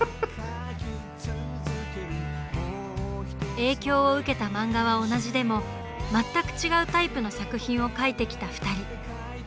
影響を受けた漫画は同じでも全く違うタイプの作品を描いてきた２人。